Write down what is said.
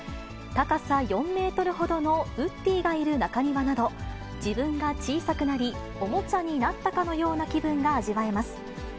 高さ４メートルほどのウッディがいる中庭など、自分が小さくなり、おもちゃになったかのような気分が味わえます。